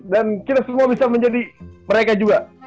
dan kita semua bisa menjadi mereka juga